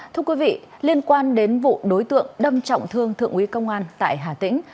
thưa quý vị liên quan đến vụ đối tượng đâm trọng thương thượng úy công an tại hà tĩnh